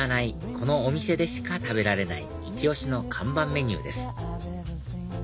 このお店でしか食べられないイチ押しの看板メニューです